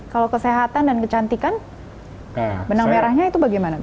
kalau kesehatan dan kecantikan benang merahnya itu bagaimana